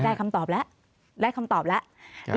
เอาได้คำตอบแล้ว